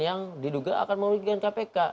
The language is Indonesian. yang diduga akan merugikan kpk